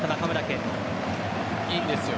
いいんですよ。